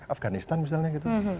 afganistan misalnya gitu